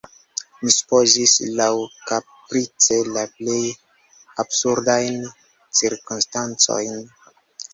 Mi supozis laŭkaprice la plej absurdajn cirkonstancojn.